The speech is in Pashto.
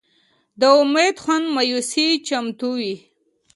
د امید خوند مایوسي ختموي.